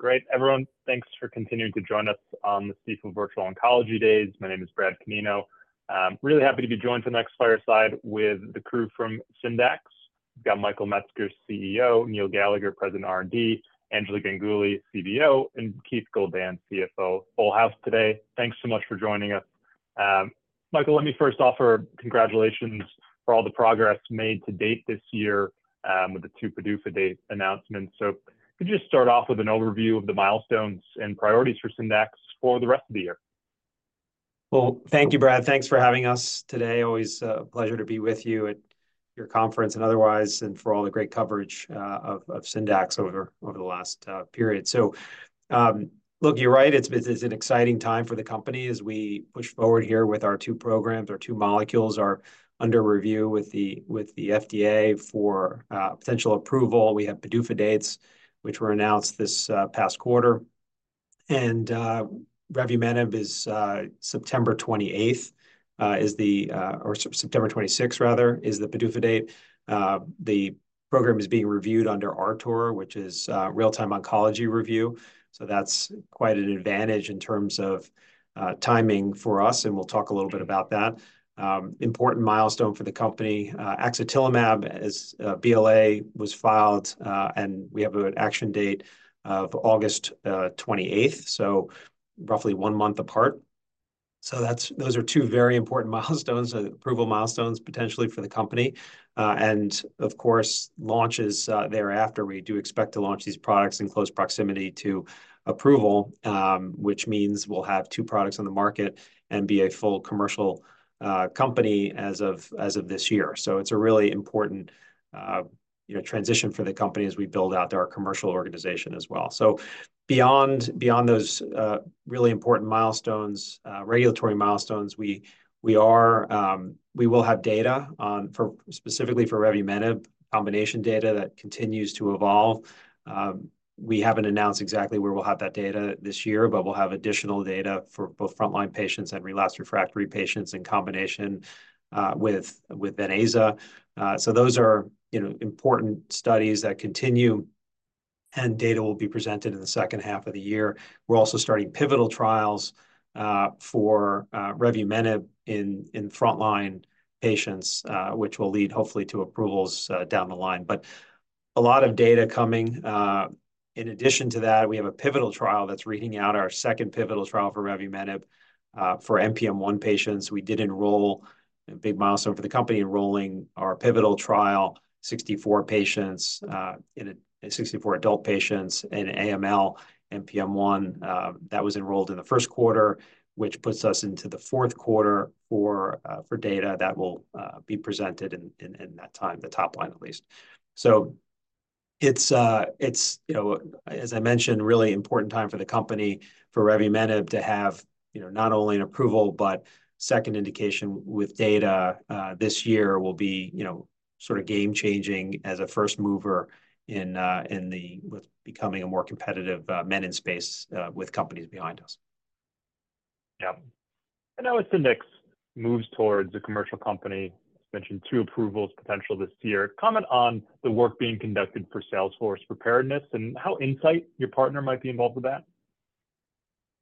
Great, everyone, thanks for continuing to join us on this week of Virtual Oncology Days. My name is Brad Canino. Really happy to be joined for the next Fireside with the crew from Syndax. We've got Michael Metzger, CEO; Neil Gallagher, President, R&D; Anjali Ganguli, CBO; and Keith Goldman, CFO. Full house today. Thanks so much for joining us. Michael, let me first offer congratulations for all the progress made to date this year, with the two PDUFA date announcements. So could you just start off with an overview of the milestones and priorities for Syndax for the rest of the year? Well, thank you, Brad. Thanks for having us today. Always, a pleasure to be with you at your conference and otherwise, and for all the great coverage of Syndax over the last period. So, look, you're right. It is an exciting time for the company as we push forward here with our two programs. Our two molecules are under review with the FDA for potential approval. We have PDUFA dates, which were announced this past quarter, and Revumenib is September 28th or September 26th, rather, is the PDUFA date. The program is being reviewed under RTOR, which is Real-Time Oncology Review, so that's quite an advantage in terms of timing for us, and we'll talk a little bit about that. Important milestone for the company, Axetilimab, as BLA was filed, and we have an action date of August 28th, so roughly one month apart. So that's those are two very important milestones, approval milestones, potentially for the company. And of course, launches thereafter. We do expect to launch these products in close proximity to approval, which means we'll have two products on the market and be a full commercial company as of this year. So it's a really important, you know, transition for the company as we build out our commercial organization as well. So beyond those, really important milestones, regulatory milestones, we will have data on for specifically for Revumenib, combination data that continues to evolve. We haven't announced exactly where we'll have that data this year, but we'll have additional data for both frontline patients and relapsed/refractory patients in combination with venetoclax. So those are, you know, important studies that continue, and data will be presented in the second half of the year. We're also starting pivotal trials for Revumenib in frontline patients, which will lead hopefully to approvals down the line. But a lot of data coming. In addition to that, we have a pivotal trial that's reading out our second pivotal trial for Revumenib. For NPM1 patients, we did enroll a big milestone for the company, enrolling our pivotal trial, 64 patients, 64 adult patients in AML, NPM1. That was enrolled in the first quarter, which puts us into the fourth quarter for data that will be presented in that time, the top line at least. So it's, you know, as I mentioned, a really important time for the company, for Revumenib to have, you know, not only an approval, but second indication with data. This year will be, you know, sort of game-changing as a first mover in the... with becoming a more competitive menin space, with companies behind us. Yeah. And now as Syndax moves towards a commercial company, as mentioned, 2 approvals potential this year. Comment on the work being conducted for sales force preparedness and how Incyte, your partner, might be involved with that.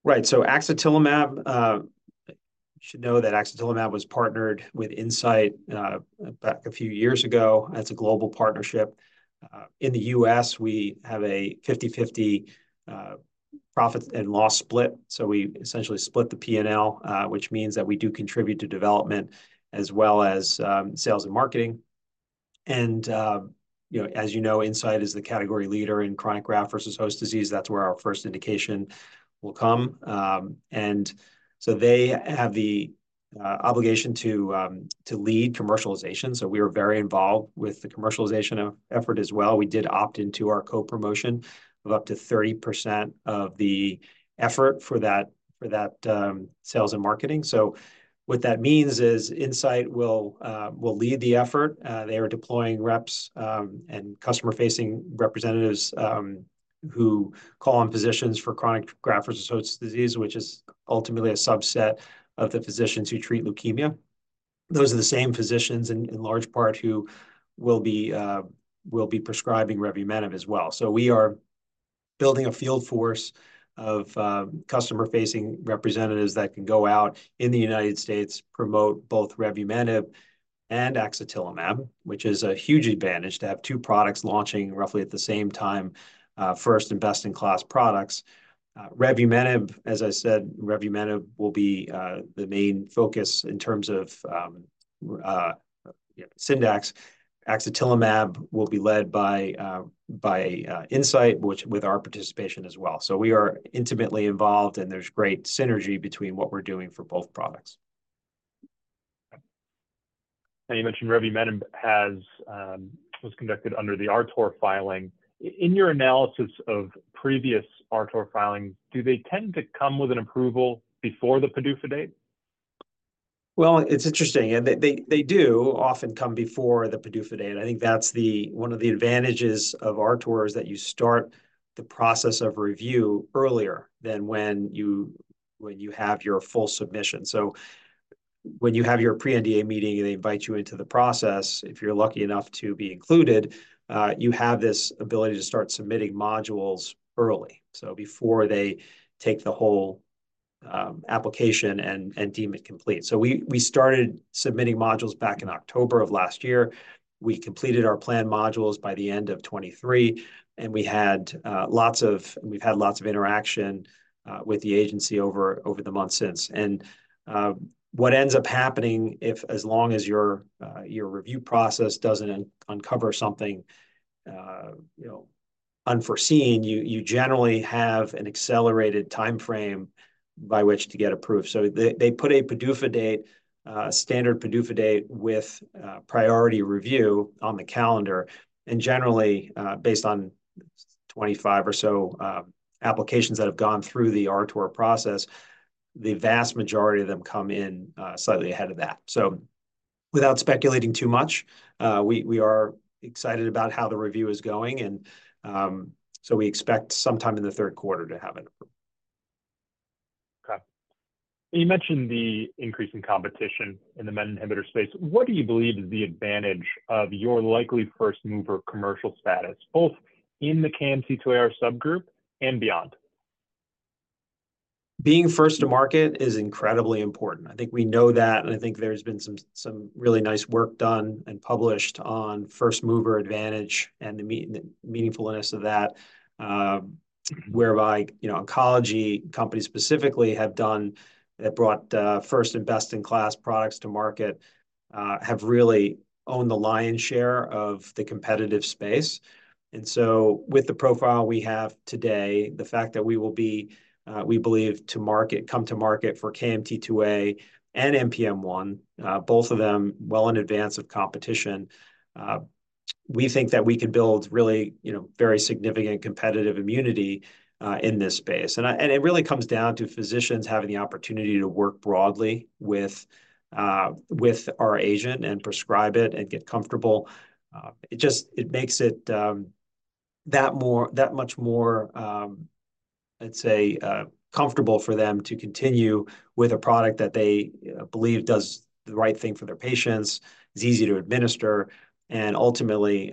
Right. So axetilimab, you should know that axetilimab was partnered with Incyte back a few years ago. That's a global partnership. In the US, we have a 50/50 profit and loss split, so we essentially split the P and L, which means that we do contribute to development as well as sales and marketing. And, you know, as you know, Incyte is the category leader in chronic graft-versus-host disease. That's where our first indication will come. And so they have the obligation to lead commercialization, so we are very involved with the commercialization effort as well. We did opt into our co-promotion of up to 30% of the effort for that sales and marketing. So what that means is Incyte will lead the effort. They are deploying reps and customer-facing representatives who call on physicians for chronic graft-versus-host disease, which is ultimately a subset of the physicians who treat leukemia. Those are the same physicians in large part who will be prescribing Revumenib as well. So we are building a field force of customer-facing representatives that can go out in the United States, promote both Revumenib and axetilimab, which is a huge advantage to have two products launching roughly at the same time, first and best-in-class products. Revumenib, as I said, Revumenib will be the main focus in terms of, yeah, Syndax. Axetilimab will be led by Incyte, which with our participation as well. So we are intimately involved, and there's great synergy between what we're doing for both products. Now, you mentioned Revumenib has was conducted under the RTOR filing. In your analysis of previous RTOR filings, do they tend to come with an approval before the PDUFA date? Well, it's interesting, and they do often come before the PDUFA date. I think that's one of the advantages of RTOR, is that you start the process of review earlier than when you have your full submission. So, when you have your pre-NDA meeting, and they invite you into the process, if you're lucky enough to be included, you have this ability to start submitting modules early, so before they take the whole application and deem it complete. So we started submitting modules back in October of last year. We completed our plan modules by the end of 2023, and we've had lots of interaction with the agency over the months since. What ends up happening if as long as your review process doesn't uncover something you know unforeseen, you generally have an accelerated timeframe by which to get approved. So they put a PDUFA date, standard PDUFA date with priority review on the calendar, and generally based on 25 or so applications that have gone through the RTOR process, the vast majority of them come in slightly ahead of that. So without speculating too much, we are excited about how the review is going, and so we expect sometime in the third quarter to have it approved. Okay. You mentioned the increase in competition in the MEK inhibitor space. What do you believe is the advantage of your likely first mover commercial status, both in the KMT2A subgroup and beyond? Being first to market is incredibly important. I think we know that, and I think there's been some really nice work done and published on first mover advantage and the meaningfulness of that, whereby, you know, oncology companies specifically have done that brought first and best-in-class products to market have really owned the lion's share of the competitive space. And so with the profile we have today, the fact that we will be, we believe, come to market for KMT2A and NPM1, both of them well in advance of competition, we think that we can build really, you know, very significant competitive immunity in this space. And it really comes down to physicians having the opportunity to work broadly with our agent and prescribe it and get comfortable. It just makes it that much more, let's say, comfortable for them to continue with a product that they believe does the right thing for their patients, is easy to administer, and ultimately,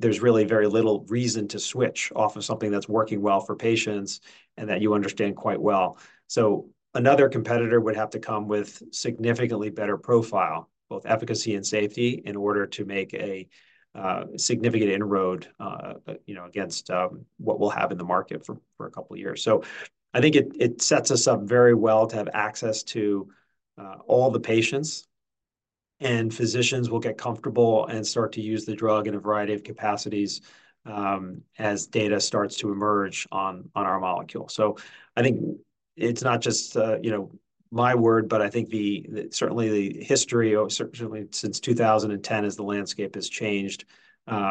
there's really very little reason to switch off of something that's working well for patients and that you understand quite well. So another competitor would have to come with significantly better profile, both efficacy and safety, in order to make a significant inroad, you know, against what we'll have in the market for a couple of years. So I think it sets us up very well to have access to all the patients, and physicians will get comfortable and start to use the drug in a variety of capacities as data starts to emerge on our molecule. So I think it's not just, you know, my word, but I think certainly the history of, certainly since 2010, as the landscape has changed,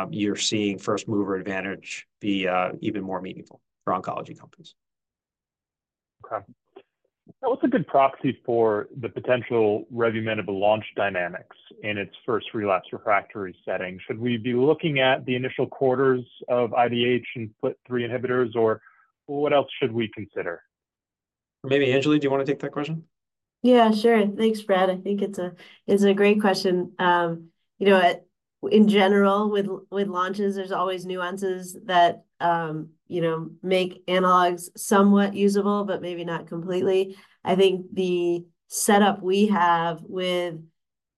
you're seeing first mover advantage be even more meaningful for oncology companies. Okay. What's a good proxy for the potential Revumenib launch dynamics in its first relapsed/refractory setting? Should we be looking at the initial quarters of IDH and FLT3 inhibitors, or what else should we consider? Maybe Anjali, do you want to take that question? Yeah, sure. Thanks, Brad. I think it's a great question. You know what? In general, with launches, there's always nuances that you know make analogues somewhat usable, but maybe not completely. I think the setup we have with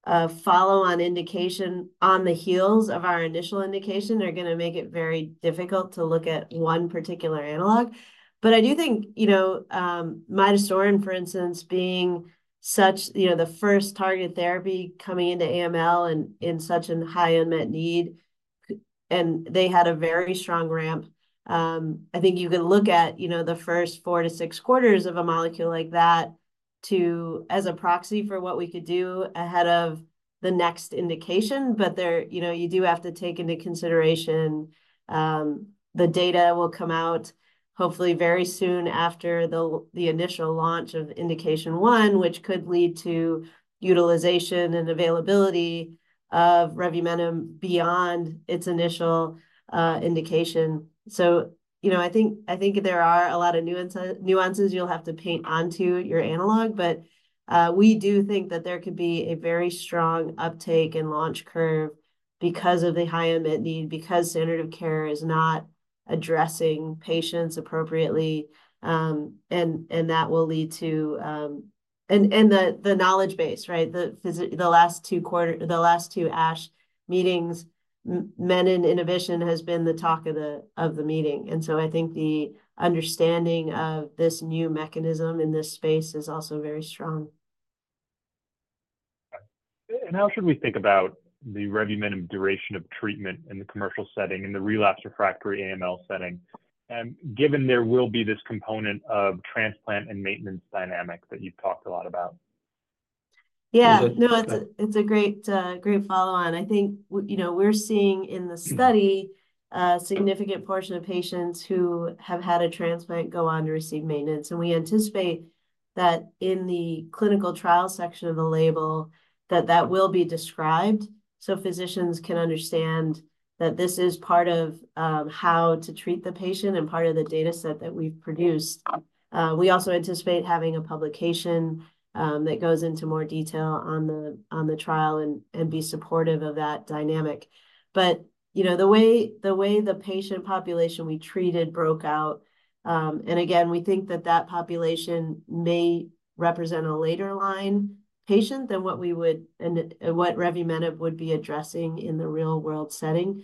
a follow-on indication on the heels of our initial indication are gonna make it very difficult to look at one particular analogue. But I do think, you know, midostaurin, for instance, being such, you know, the first targeted therapy coming into AML and in such a high unmet need and they had a very strong ramp. I think you can look at, you know, the first 4-6 quarters of a molecule like that as a proxy for what we could do ahead of the next indication. But there, you know, you do have to take into consideration, the data will come out hopefully very soon after the the initial launch of indication one, which could lead to utilization and availability of Revumenib beyond its initial, indication. So, you know, I think, I think there are a lot of nuances you'll have to paint onto your analogue, but, we do think that there could be a very strong uptake and launch curve because of the high unmet need, because standard of care is not addressing patients appropriately. And the knowledge base, right? The last two ASH meetings, menin inhibition has been the talk of the meeting. And so I think the understanding of this new mechanism in this space is also very strong. How should we think about the Revumenib duration of treatment in the commercial setting, in the relapsed/refractory AML setting, and given there will be this component of transplant and maintenance dynamic that you've talked a lot about? Yeah. Is it- No, it's a great follow-on. I think, you know, we're seeing in the study a significant portion of patients who have had a transplant go on to receive maintenance, and we anticipate that in the clinical trial section of the label that will be described, so physicians can understand that this is part of how to treat the patient and part of the dataset that we've produced. We also anticipate having a publication that goes into more detail on the trial and be supportive of that dynamic. But, you know, the way, the way the patient population we treated broke out, and again, we think that that population may represent a later line patient than what we would, and what Revumenib would be addressing in the real-world setting,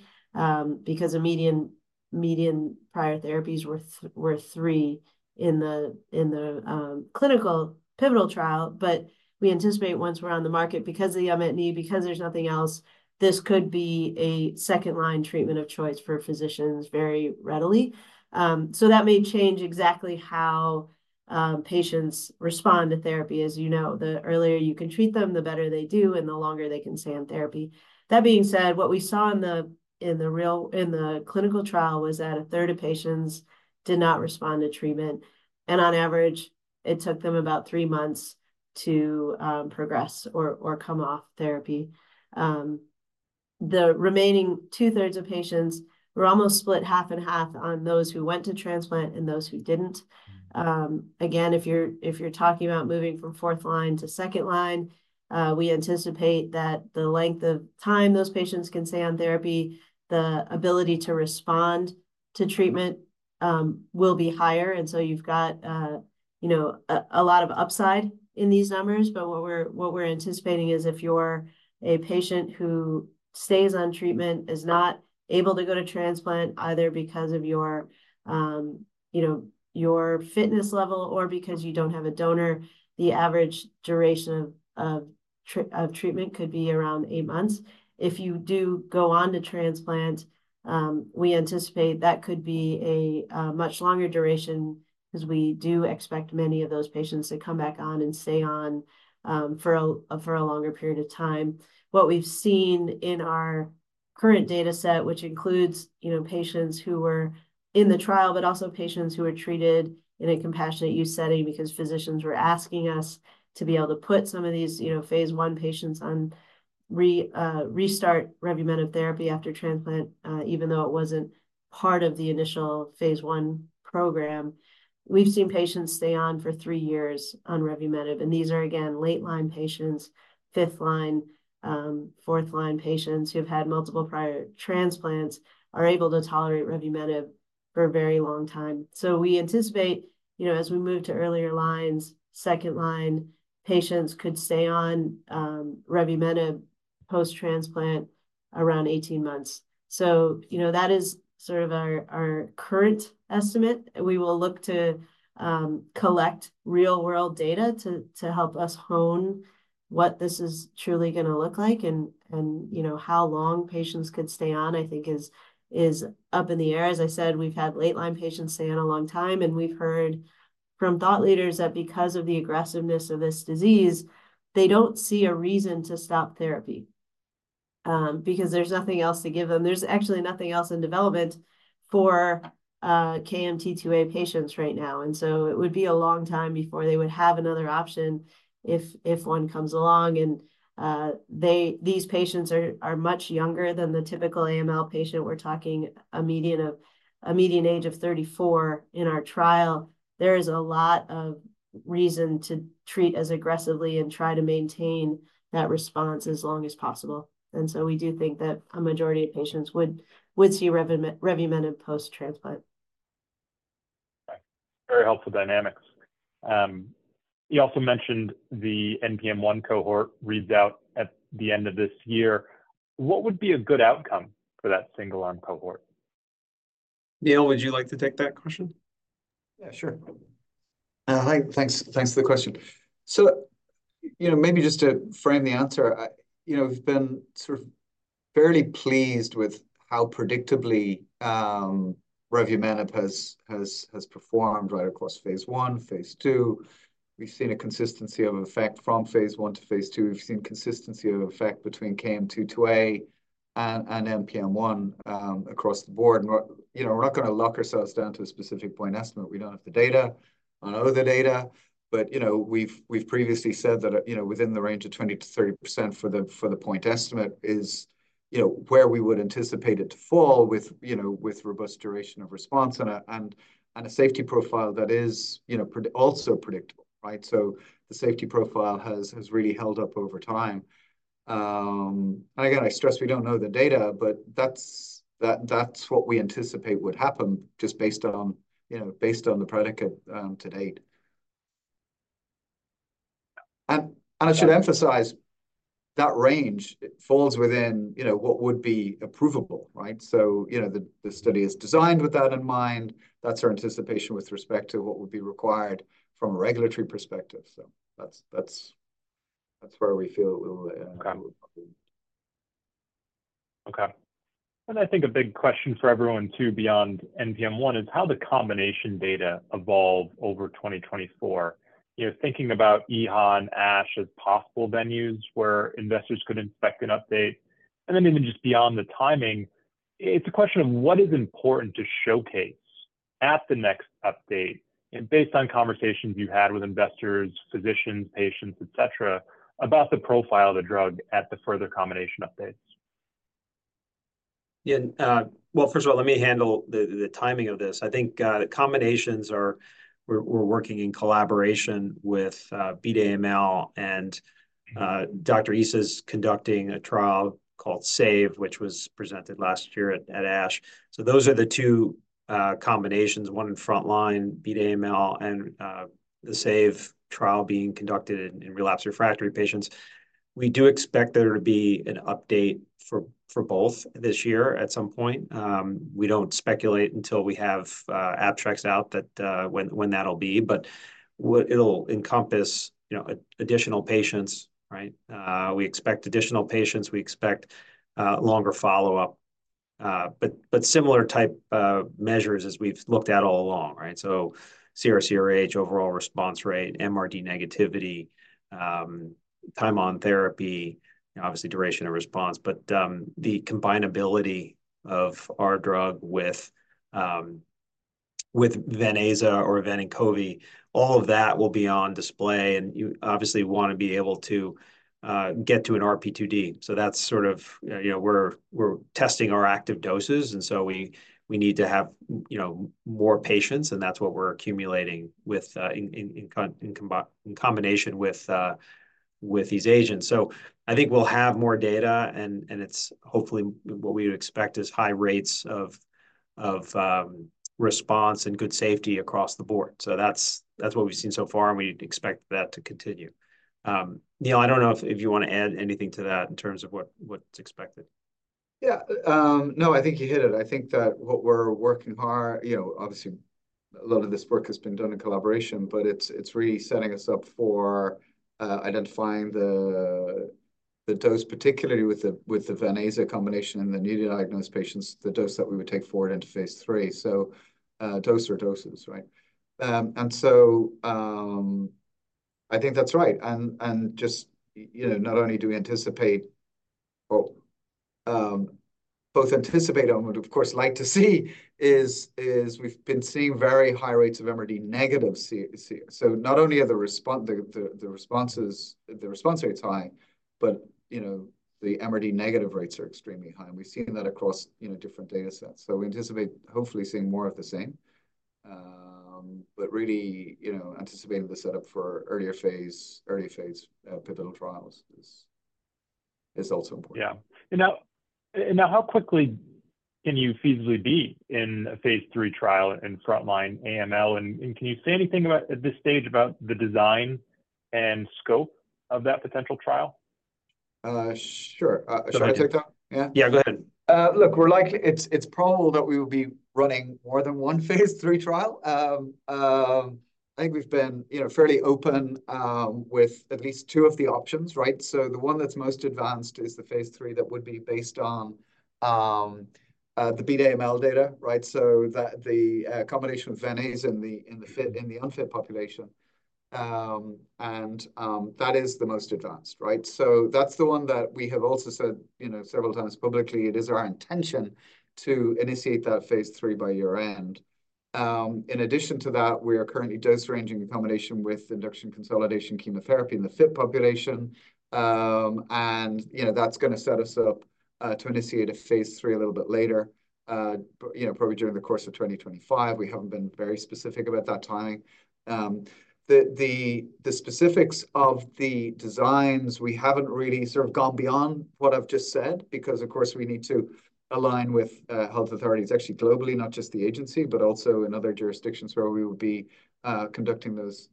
because a median prior therapies were three in the, in the, clinical pivotal trial. But we anticipate once we're on the market, because of the unmet need, because there's nothing else, this could be a second-line treatment of choice for physicians very readily. So that may change exactly how, patients respond to therapy. As you know, the earlier you can treat them, the better they do, and the longer they can stay on therapy. That being said, what we saw in the clinical trial was that a third of patients did not respond to treatment, and on average, it took them about 3 months to progress or come off therapy. The remaining two-thirds of patients were almost split 50/50 on those who went to transplant and those who didn't. Again, if you're talking about moving from fourth line to second line, we anticipate that the length of time those patients can stay on therapy, the ability to respond to treatment, will be higher, and so you've got you know a lot of upside in these numbers. But what we're anticipating is, if you're a patient who stays on treatment, is not able to go to transplant, either because of your, you know, your fitness level or because you don't have a donor, the average duration of treatment could be around eight months. If you do go on to transplant, we anticipate that could be a much longer duration, 'cause we do expect many of those patients to come back on and stay on for a longer period of time. What we've seen in our current data set, which includes, you know, patients who were in the trial, but also patients who were treated in a compassionate use setting because physicians were asking us to be able to put some of these, you know, phase I patients on restart Revumenib therapy after transplant, even though it wasn't part of the initial phase I program. We've seen patients stay on for 3 years on Revumenib, and these are, again, late-line patients, fifth-line, fourth-line patients who have had multiple prior transplants, are able to tolerate Revumenib for a very long time. So we anticipate, you know, as we move to earlier lines, second line, patients could stay on, Revumenib post-transplant around 18 months. So, you know, that is sort of our current estimate. We will look to collect real-world data to help us hone what this is truly gonna look like, and, you know, how long patients could stay on, I think, is up in the air. As I said, we've had late-line patients stay on a long time, and we've heard from thought leaders that because of the aggressiveness of this disease, they don't see a reason to stop therapy, because there's nothing else to give them. There's actually nothing else in development for KMT2A patients right now, and so it would be a long time before they would have another option if one comes along. These patients are much younger than the typical AML patient. We're talking a median age of 34 in our trial. There is a lot of reason to treat as aggressively and try to maintain that response as long as possible, and so we do think that a majority of patients would see revumenib post-transplant. Right. Very helpful dynamics. You also mentioned the NPM1 cohort read out at the end of this year. What would be a good outcome for that single-arm cohort? Neil, would you like to take that question? Yeah, sure. Thanks, thanks for the question. So, you know, maybe just to frame the answer, I... You know, we've been sort of fairly pleased with how predictably revumenib has performed right across phase I, phase II. We've seen a consistency of effect from phase I to phase II. We've seen consistency of effect between KMT2A and NPM1 across the board. And we're, you know, we're not gonna lock ourselves down to a specific point estimate. We don't have the data. I know the data, but, you know, we've previously said that, you know, within the range of 20%-30% for the point estimate is, you know, where we would anticipate it to fall with, you know, with robust duration of response and a safety profile that is also predictable, right? So the safety profile has really held up over time. And again, I stress we don't know the data, but that's what we anticipate would happen just based on, you know, based on the predicate to date. And I should emphasize, that range falls within, you know, what would be approvable, right? So, you know, the study is designed with that in mind. That's our anticipation with respect to what would be required from a regulatory perspective. So that's where we feel it will. Okay. Okay. And I think a big question for everyone, too, beyond NPM1, is how the combination data evolved over 2024. You know, thinking about EHA and ASH as possible venues where investors could expect an update. And then even just beyond the timing, it's a question of what is important to showcase at the next update, and based on conversations you've had with investors, physicians, patients, et cetera, about the profile of the drug at the further combination updates?... Yeah, well, first of all, let me handle the timing of this. I think the combinations are, we're working in collaboration with Beat AML, and Dr. Issa’s conducting a trial called SAVE, which was presented last year at ASH. So those are the two combinations, one in frontline Beat AML, and the SAVE trial being conducted in relapsed refractory patients. We do expect there to be an update for both this year at some point. We don't speculate until we have abstracts out that when that'll be, but it'll encompass, you know, additional patients, right? We expect additional patients. We expect longer follow-up, but similar type measures as we've looked at all along, right? So CRh, overall response rate, MRD negativity, time on therapy, and obviously, duration of response. But, the combinability of our drug with, with venetoclax, all of that will be on display, and you obviously want to be able to, get to an RP2D. So that's sort of, you know, we're testing our active doses, and so we need to have, you know, more patients, and that's what we're accumulating with, in combination with, with these agents. So I think we'll have more data, and, and it's hopefully what we would expect is high rates of, response and good safety across the board. So that's, that's what we've seen so far, and we expect that to continue. Neil, I don't know if you want to add anything to that in terms of what's expected. Yeah. No, I think you hit it. I think that what we're working hard, you know, obviously, a lot of this work has been done in collaboration, but it's really setting us up for identifying the dose, particularly with the venetoclax combination in the newly diagnosed patients, the dose that we would take forward into phase III. So, dose or doses, right? And so, I think that's right. And just, you know, not only do we anticipate or both anticipate and would, of course, like to see, is we've been seeing very high rates of MRD negative CR. So not only are the responses, the response rates high, but, you know, the MRD negative rates are extremely high, and we've seen that across, you know, different data sets. So we anticipate hopefully seeing more of the same. But really, you know, anticipating the set-up for earlier phase, early phase, pivotal trials is also important. Yeah. Now, how quickly can you feasibly be in a phase III trial in frontline AML? And can you say anything about, at this stage, about the design and scope of that potential trial? Sure. Shall I take that? Sure. Yeah. Yeah, go ahead. Look, we're likely—it's probable that we will be running more than one phase III trial. I think we've been, you know, fairly open with at least two of the options, right? So the one that's most advanced is the phase III that would be based on the Beat AML data, right? So that the combination of venetoclax in the unfit population. And that is the most advanced, right? So that's the one that we have also said, you know, several times publicly, it is our intention to initiate that phase III by year-end. In addition to that, we are currently dose ranging in combination with induction consolidation chemotherapy in the fit population. You know, that's gonna set us up to initiate a phase III a little bit later, you know, probably during the course of 2025. We haven't been very specific about that timing. The specifics of the designs, we haven't really sort of gone beyond what I've just said, because, of course, we need to align with health authorities, actually globally, not just the agency, but also in other jurisdictions where we would be conducting those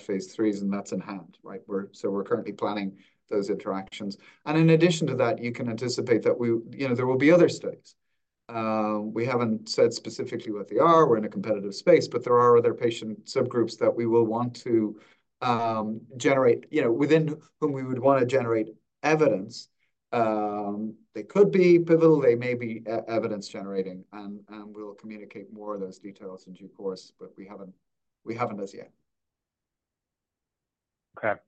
phase III's, and that's in hand, right? So we're currently planning those interactions. And in addition to that, you can anticipate that we you know, there will be other studies. We haven't said specifically what they are. We're in a competitive space, but there are other patient subgroups that we will want to generate, you know, within whom we would wanna generate evidence. They could be pivotal, they may be evidence generating, and we'll communicate more of those details in due course, but we haven't, we haven't as yet. Okay.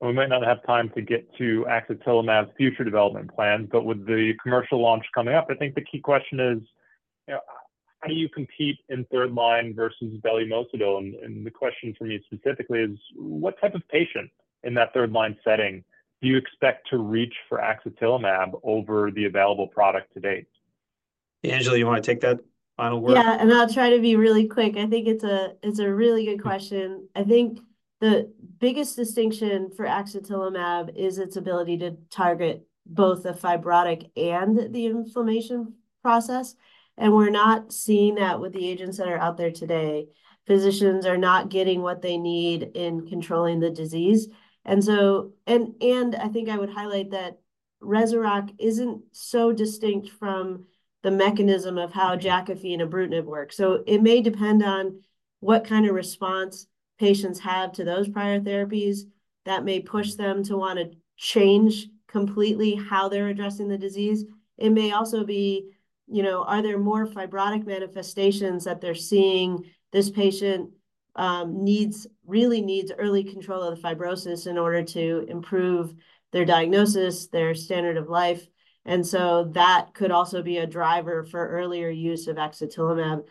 We might not have time to get to axetilimab future development plans, but with the commercial launch coming up, I think the key question is, you know, how do you compete in third-line versus belumosudil? And the question for me specifically is: What type of patient in that third-line setting do you expect to reach for axetilimab over the available product to date? Anjali, you wanna take that final word? Yeah, and I'll try to be really quick. I think it's a really good question. I think the biggest distinction for axetilimab is its ability to target both the fibrotic and the inflammation process, and we're not seeing that with the agents that are out there today. Physicians are not getting what they need in controlling the disease. And so... and I think I would highlight that Rezurock isn't so distinct from the mechanism of how Jakafi and ibrutinib work. So it may depend on what kind of response patients have to those prior therapies that may push them to wanna change completely how they're addressing the disease. It may also be, you know, are there more fibrotic manifestations that they're seeing? This patient really needs early control of the fibrosis in order to improve their diagnosis, their standard of life, and so that could also be a driver for earlier use of axetilimab.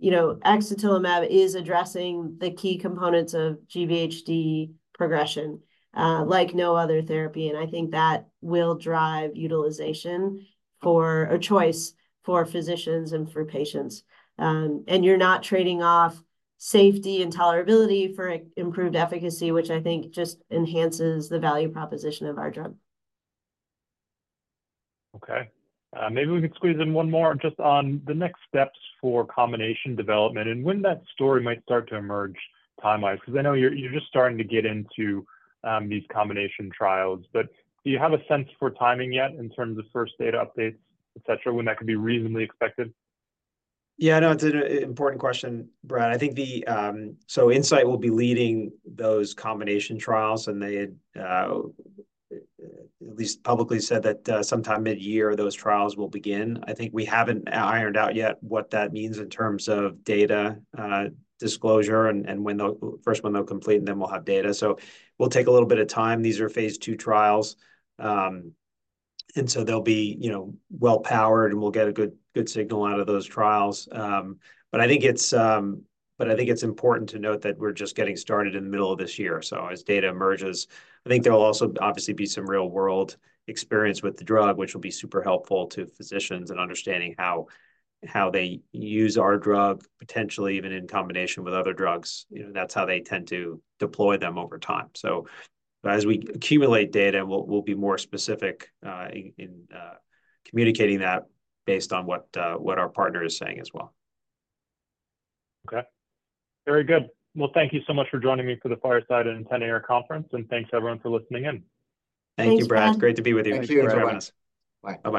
You know, axetilimab is addressing the key components of GVHD progression, like no other therapy, and I think that will drive utilization for a choice for physicians and for patients. And you're not trading off safety and tolerability for improved efficacy, which I think just enhances the value proposition of our drug. Okay. Maybe we can squeeze in one more just on the next steps for combination development and when that story might start to emerge time-wise, because I know you're just starting to get into these combination trials. But do you have a sense for timing yet in terms of first data updates, et cetera, when that could be reasonably expected? Yeah, no, it's an important question, Brad. I think the... So Incyte will be leading those combination trials, and they had at least publicly said that sometime mid-year, those trials will begin. I think we haven't ironed out yet what that means in terms of data disclosure and when they'll first complete, and then we'll have data. So we'll take a little bit of time. These are phase II trials, and so they'll be, you know, well powered, and we'll get a good, good signal out of those trials. But I think it's important to note that we're just getting started in the middle of this year. So as data emerges, I think there will also obviously be some real-world experience with the drug, which will be super helpful to physicians in understanding how they use our drug, potentially even in combination with other drugs. You know, that's how they tend to deploy them over time. So as we accumulate data, we'll be more specific in communicating that based on what our partner is saying as well. Okay. Very good. Well, thank you so much for joining me for the Fireside at Stifel Conference, and thanks, everyone, for listening in. Thanks, Brad. Thank you, Brad. It's great to be with you. Thank you, everyone. Bye-bye.